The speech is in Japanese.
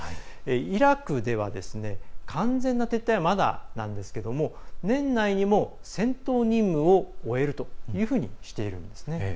イラクでは、完全な撤退はまだなんですが年内にも戦闘任務を終えるというふうにしているんですね。